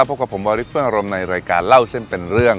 พบกับผมวาริสเฟื้องอารมณ์ในรายการเล่าเส้นเป็นเรื่อง